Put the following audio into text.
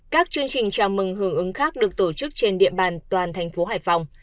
các chương trình chào mừng hưởng ứng khác được tổ chức trên địa bàn toàn thành phố hải phòng